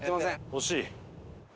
惜しい。